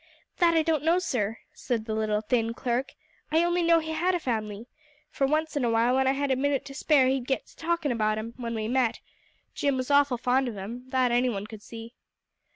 "That I don't know, sir," said the little, thin clerk. "I only know he had a family, for once in a while when I had a minute to spare he'd get to talking about 'em, when we met. Jim was awful fond of 'em; that any one could see."